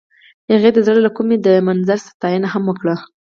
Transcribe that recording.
هغې د زړه له کومې د منظر ستاینه هم وکړه.